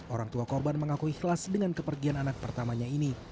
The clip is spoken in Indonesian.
orang tua korban mengaku ikhlas dengan kepergian anak pertamanya ini